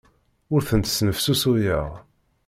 Ur tent-snefsusuyeɣ.